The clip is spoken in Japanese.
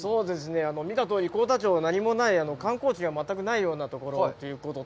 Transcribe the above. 見たとおり、幸田町は何もない、観光地が全くないようなところということと。